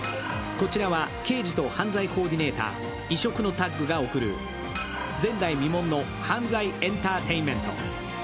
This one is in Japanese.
こちらは刑事と犯罪コーディネーター、異色のタッグが送る前代未聞の犯罪エンターテインメント。